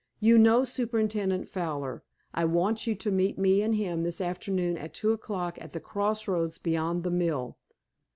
You know Superintendent Fowler. I want you to meet me and him this afternoon at two o'clock at the crossroads beyond the mill.